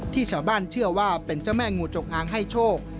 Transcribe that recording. ชาวบ้านเชื่อว่าเป็นเจ้าแม่งูจงอางให้โชค